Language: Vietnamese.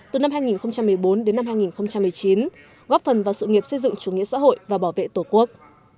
từ năm hai nghìn một mươi bốn đến năm hai nghìn một mươi chín góp phần vào sự nghiệp xây dựng chủ nghĩa xã hội và bảo vệ tổ quốc